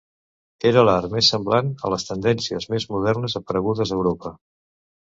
Era l'art més semblant a les tendències més modernes aparegudes a Europa.